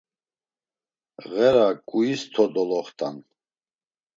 Ğera ǩuis to doloxt̆an.